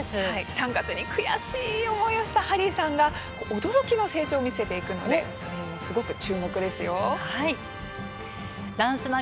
３月に悔しい思いをしたハリーさんが驚きの成長を見せてくれるので注目ですよ。